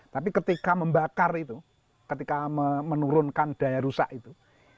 tapi ketika membakar itu ketika menurunkan daya rusak itu